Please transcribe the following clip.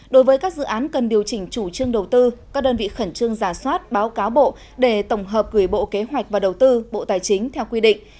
đối với các dự án cần điều chỉnh chủ trương đầu tư các đơn vị khẩn trương giả soát báo cáo bộ để tổng hợp gửi bộ kế hoạch và đầu tư bộ tài chính theo quy định